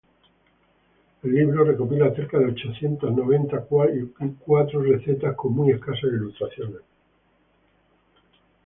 El libro recopila cerca de ochocientas noventa cuatro recetas con muy escasas ilustraciones.